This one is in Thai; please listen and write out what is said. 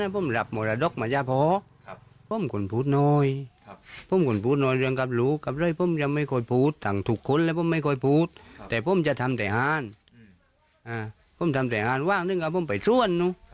ผมไม่ค่อยพูดแต่ผมจะทำแต่งานผมทำแต่งานว่างซึ่งก็ผมไปส่วน